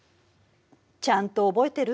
ちゃんと覚えてる？